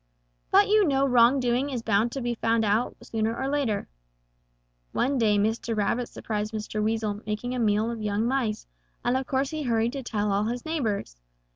"But you know wrongdoing is bound to be found out sooner or later. One day Mr. Rabbit surprised Mr. Weasel making a meal of young mice, and of course he hurried to tell all his neighbors.